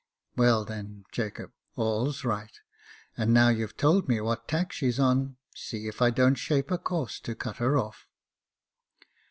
"Well, then, Jacob, all's right; and now you've told me what tack she's on, see if I don't shape a course to cut her off."